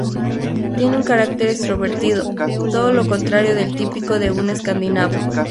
Tiene un carácter extrovertido, todo lo contrario del típico de un escandinavo.